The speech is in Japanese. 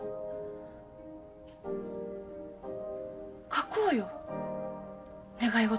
書こうよ願い事。